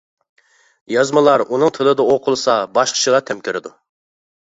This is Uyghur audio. يازمىلار ئۇنىڭ تىلىدا ئوقۇلسا باشقىچىلا تەم كىرىدۇ.